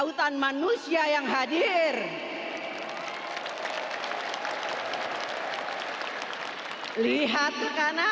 atau nama lainnya bisnis yang sudah di energies hemat der humanities